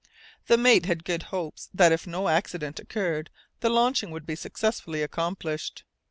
The mate had good hopes that if no accident occurred the launching would be successfully accomplished.